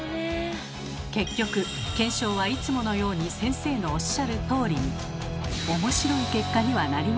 結局検証はいつものように先生のおっしゃるとおりに。